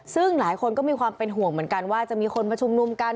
ซึ่งหลายคนก็มีความเป็นห่วงเหมือนกันว่าจะมีคนมาชุมนุมกัน